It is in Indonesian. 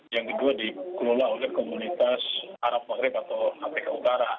yang kedua dikelola oleh komunitas arab maghrib atau afrika utara